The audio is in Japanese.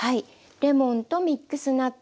レモンとミックスナッツ